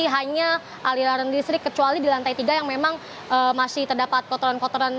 hanya aliran listrik kecuali di lantai tiga yang memang masih terdapat kotoran kotoran